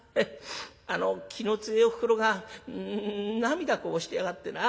あの気の強えおふくろが涙こぼしてやがってな。